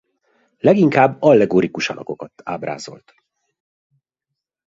Leginkább allegorikus alakokat ábrázolt.